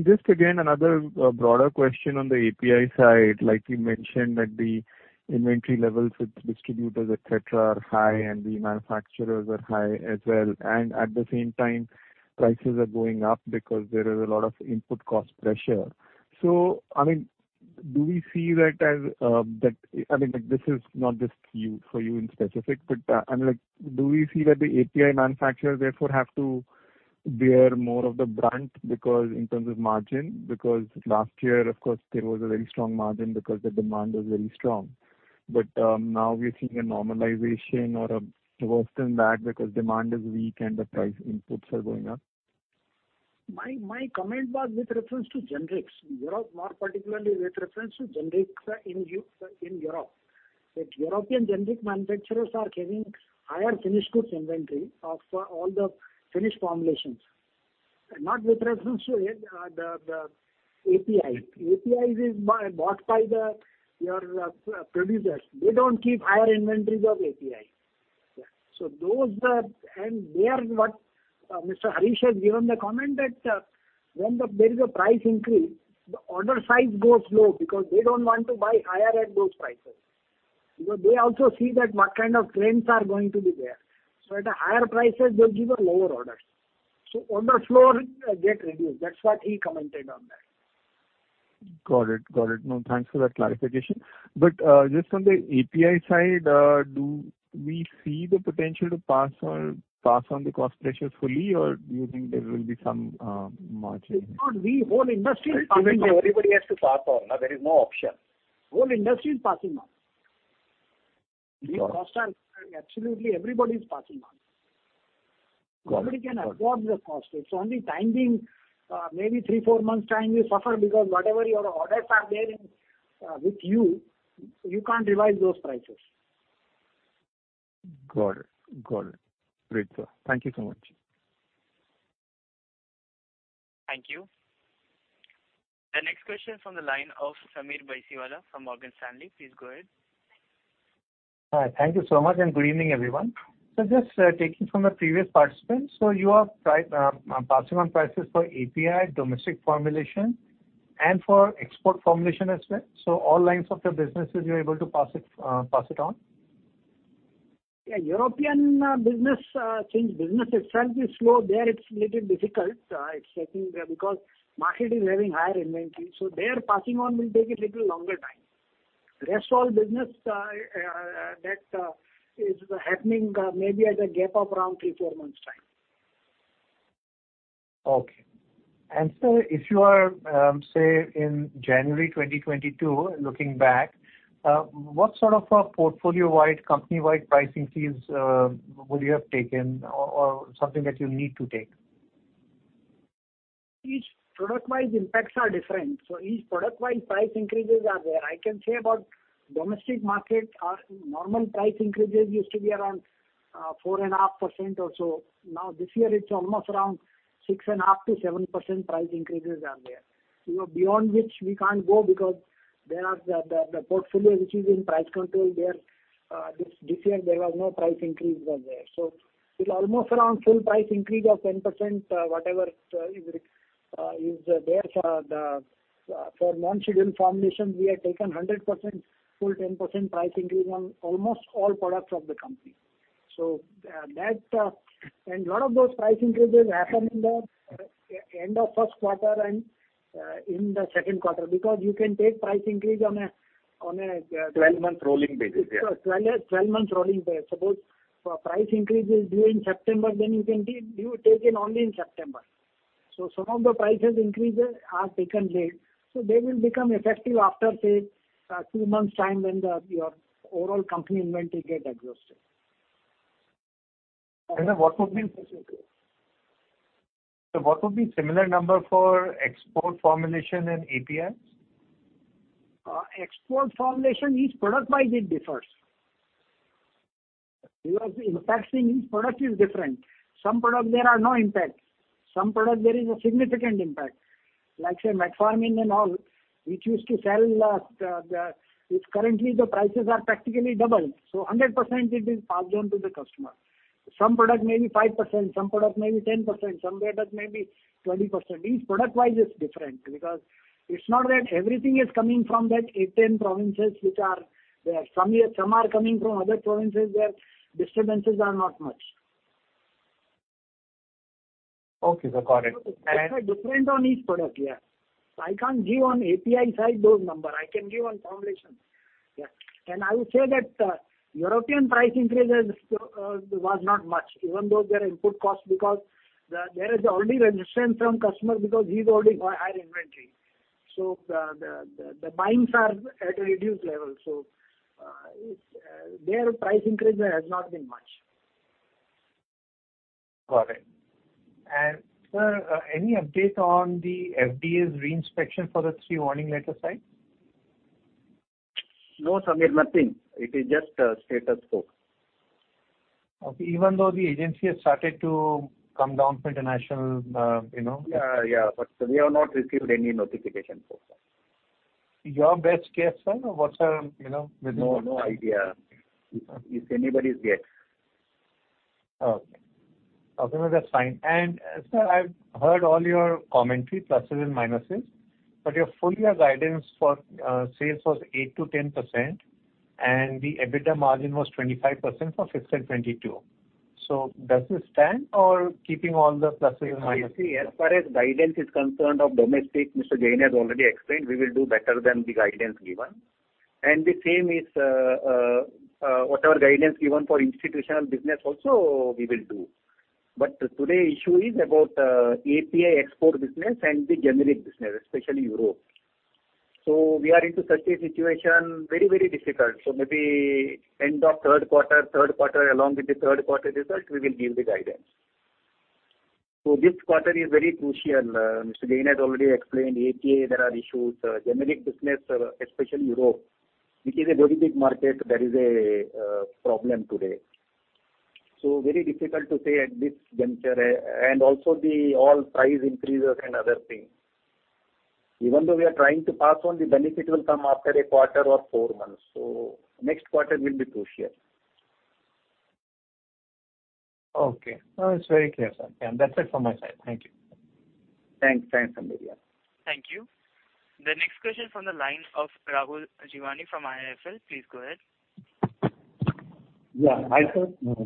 Just again, another broader question on the API side, like you mentioned that the inventory levels with distributors, et cetera, are high and the manufacturers are high as well. At the same time prices are going up because there is a lot of input cost pressure. I mean, do we see that as that, I mean, like, this is not just you, for you specifically, but I'm like, do we see that the API manufacturers therefore have to bear more of the brunt because in terms of margin, because last year, of course, there was a very strong margin because the demand was very strong. Now we're seeing a normalization or a worsened that because demand is weak and the input prices are going up. My comment was with reference to generics. In Europe, more particularly with reference to generics in Europe. That European generic manufacturers are carrying higher finished goods inventory of all the finished formulations. Not with reference to it, the API. API is bought by the producers. They don't keep higher inventories of API. Yeah. Mr. Harish Kamath has given the comment that when there is a price increase, the order size goes low because they don't want to buy higher at those prices. They also see that what kind of trends are going to be there. At higher prices, they'll give a lower order. Order flow get reduced. That's what he commented on that. Got it. No, thanks for that clarification. Just on the API side, do we see the potential to pass on the cost pressures fully or do you think there will be some margin- It's not we. Whole industry is passing on. Eventually everybody has to pass on. There is no option. Whole industry is passing on. Got it. The costs are. Absolutely everybody is passing on. Got it. Got it. Nobody can absorb the cost. It's only time being, maybe 3, 4 months time you suffer because whatever your orders are there in, with you can't revise those prices. Got it. Great. Thank you so much. Thank you. The next question from the line of Sameer Baisiwala from Morgan Stanley. Please go ahead. Hi. Thank you so much, and good evening, everyone. Just taking from the previous participant, you are passing on prices for API domestic formulation and for export formulation as well? All lines of the businesses you're able to pass it on? Yeah. European business, since business itself is slow there, it's a little difficult. It's taking time there because the market is having higher inventory, so the passing on will take a little longer time. The rest all business that is happening, maybe at a gap of around three or four months' time. Okay. Sir, if you are, say in January 2022, looking back, what sort of a portfolio-wide, company-wide pricing fees would you have taken or something that you need to take? Each product-wise impacts are different. Each product-wise price increases are there. I can say about domestic market, normal price increases used to be around 4.5% or so. Now this year it's almost around 6.5%-7% price increases are there. You know, beyond which we can't go because there are the portfolio which is in price control there. This year there was no price increase. It's almost around full price increase of 10%, whatever is there for the non-scheduled formulation. We have taken 100%, full 10% price increase on almost all products of the company. That. A lot of those price increases happen in the end of first quarter and in the second quarter because you can take price increase on a. 12-month rolling basis, yeah. 12-month rolling basis. Suppose price increase is due in September, then you can take it only in September. Some of the price increases are taken late, so they will become effective after, say, a few months' time when your overall company inventory get exhausted. What would be, Sir, similar number for export formulation and APIs? Export formulation, each product-wise it differs. Because the impact in each product is different. Some product there are no impact. Some product there is a significant impact. Like, say, metformin and all, which used to sell. It's currently the prices are practically double, so 100% it is passed on to the customer. Some product maybe 5%, some product maybe 10%, some product maybe 20%. Each product-wise it's different because it's not that everything is coming from that eight, 10 provinces which are there. Some is, some are coming from other provinces where disturbances are not much. Okay, sir. Got it. It's different on each product, yeah. I can't give on API side those number. I can give on formulation. Yeah. I would say that European price increases was not much even though their input cost because there is already resistance from customer because he's already have higher inventory. The buyings are at a reduced level. It's their price increase has not been much. Got it. Sir, any update on the FDA's re-inspection for the three warning letter sites? No, Sameer. Nothing. It is just, status quo. Okay. Even though the agency has started to come down to international, you know. Yeah. Yeah. We have not received any notification so far. Your best guess, sir, you know with No, no idea if anybody's yet. Okay. Okay, no, that's fine. Sir, I've heard all your commentary, pluses and minuses, but your full year guidance for sales was 8%-10% and the EBITDA margin was 25% for FY 2022. Does this stand or keeping all the pluses and minuses? See, as far as guidance is concerned of domestic, Mr. Jain has already explained we will do better than the guidance given. The same is whatever guidance given for institutional business also we will do. Today's issue is about API export business and the generic business, especially Europe. We are into such a situation, very, very difficult. Maybe end of third quarter, along with the third quarter result we will give the guidance. This quarter is very crucial. Mr. Jain has already explained API. There are issues, generic business, especially Europe. Which is a very big market, that is a problem today. Very difficult to say at this juncture. Also the overall price increases and other things. Even though we are trying to pass on, the benefit will come after a quarter or four months. Next quarter will be crucial. Okay. No, it's very clear, sir. Yeah, that's it from my side. Thank you. Thanks, Sameer Baisiwala. Thank you. The next question from the line of Rahul Jeewani from IIFL. Please go ahead. Yeah. Hi, sir.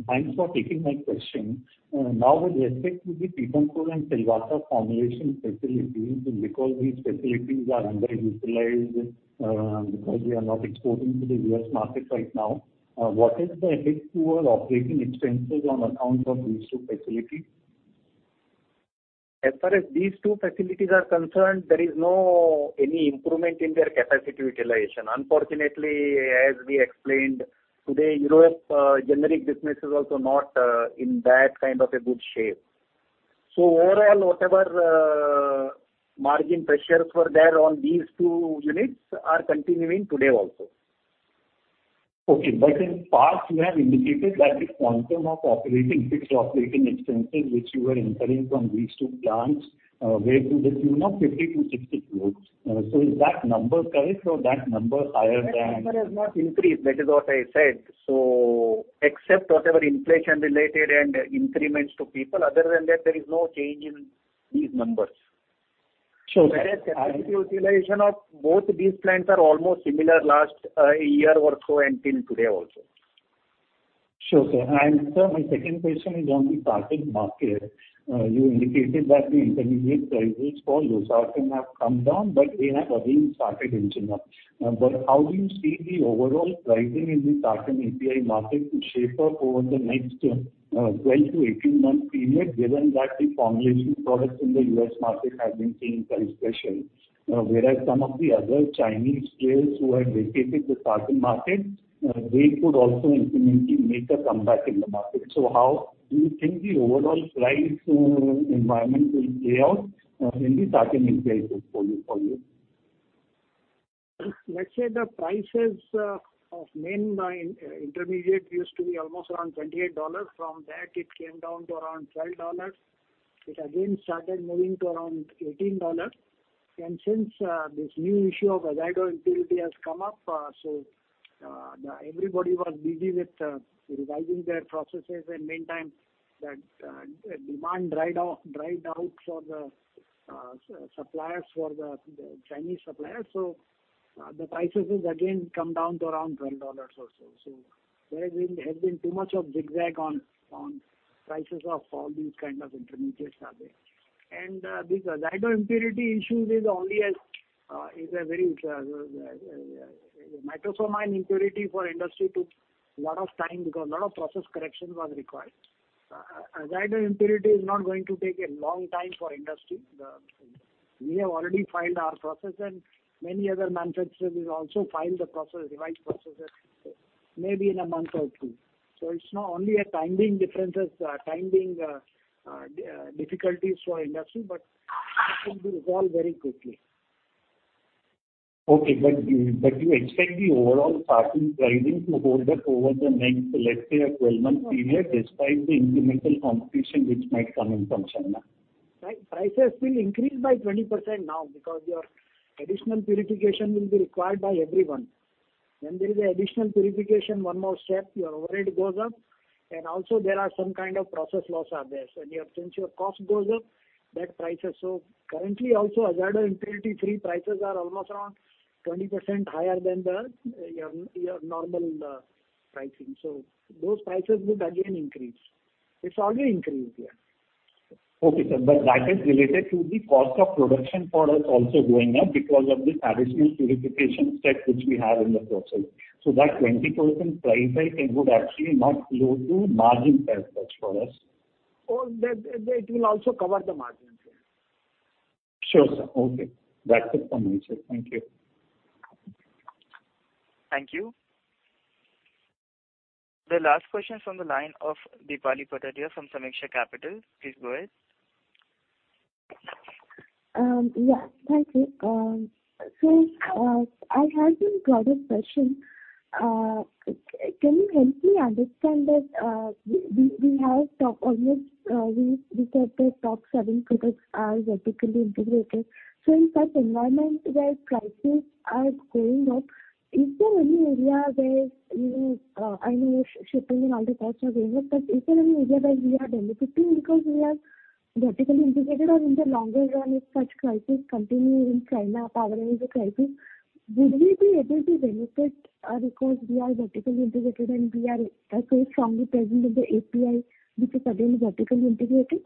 Thanks for taking my question. Now with respect to the Piparia and Silvassa formulation facilities, because these facilities are underutilized, because we are not exporting to the U.S. market right now, what is the hit to our operating expenses on account of these two facilities? As far as these two facilities are concerned, there is no any improvement in their capacity utilization. Unfortunately, as we explained today, Europe, generic business is also not, in that kind of a good shape. Overall, whatever, margin pressures were there on these two units are continuing today also. In the past you have indicated that the quantum of fixed operating expenses which you were incurring from these two plants were to the tune of 50-60 crores. Is that number correct or higher than- That number has not increased, that is what I said. Except whatever inflation-related and increments to people, other than that, there is no change in these numbers. Sure, sir. Whereas capacity utilization of both these plants are almost similar last year or so and till today also. Sure, sir. Sir, my second question is on the Sartan market. You indicated that the intermediate prices for Losartan have come down, but they have again started inching up. How do you see the overall pricing in the Sartan API market to shape up over the next 12- to 18-month period, given that the formulation products in the U.S. market have been seeing some pressure? Whereas some of the other Chinese players who had vacated the Sartan market, they could also incrementally make a comeback in the market. How do you think the overall price environment will play out in the Sartan API space for you? Let's say the prices of mainline intermediate used to be almost around $28. From that it came down to around $12. It again started moving to around $18. Since this new issue of azido impurity has come up, everybody was busy with revising their processes. In meantime that demand dried out for the suppliers, for the Chinese suppliers. The prices has again come down to around $12 or so. There has been too much of zigzag on prices of all these kind of intermediates that are there. This azido impurity issue is only as bad as the nitrosamine impurity for industry took lot of time because lot of process corrections was required. Azido impurity is not going to take a long time for industry. We have already filed our process and many other manufacturers has also filed the process, revised processes, maybe in a month or two. It's not only a timing differences, timing difficulties for industry, but it will be resolved very quickly. Okay. You expect the overall Sartan pricing to hold up over the next, let's say, a 12-month period despite the incremental competition which might come in from China? Prices will increase by 20% now because your additional purification will be required by everyone. When there is additional purification, one more step, your overhead goes up. Also there are some kind of process loss are there. Since your cost goes up, that prices. Currently also azido impurity free prices are almost around 20% higher than your normal pricing. Those prices will again increase. It's already increased. Okay, sir. That is related to the cost of production for us also going up because of this additional purification step which we have in the process. That 20% price hike would actually not flow to margin as such for us. Oh, that it will also cover the margin, yeah. Sure, sir. Okay. That's it from my side. Thank you. Thank you. The last question is from the line of Deepali Patadia from Sameeksha Capital. Please go ahead. Thank you. I had two broader question. Can you help me understand that we said that top seven producers are vertically integrated. In such environment where prices are going up, is there any area where, you know, I know shipping and all the costs are going up, but is there any area where we are benefiting because we are vertically integrated? Or in the longer run, if such prices continue in China, power related prices, would we be able to benefit because we are vertically integrated and we are so strongly present in the API, which is again vertically integrated?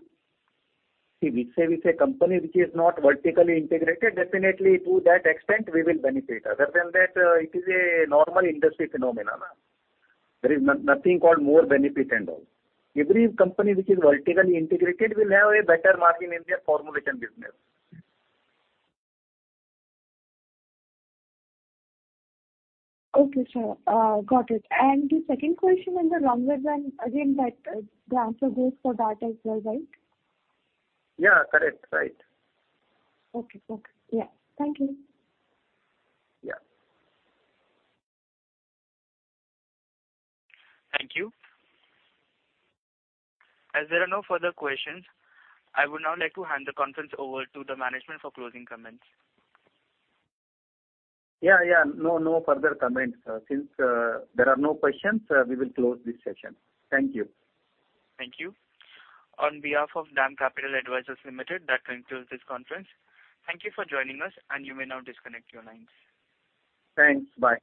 See, we say company which is not vertically integrated, definitely to that extent we will benefit. Other than that, it is a normal industry phenomenon. There is nothing called more benefit and all. Every company which is vertically integrated will have a better margin in their formulation business. Okay, sir. Got it. The second question in the longer run, again, that, the answer goes for that as well, right? Yeah. Correct. Right. Okay. Okay. Yeah. Thank you. Yeah. Thank you. As there are no further questions, I would now like to hand the conference over to the management for closing comments. Yeah, yeah. No, no further comments. Since there are no questions, we will close this session. Thank you. Thank you. On behalf of DAM Capital Advisors Limited, that concludes this conference. Thank you for joining us, and you may now disconnect your lines. Thanks. Bye.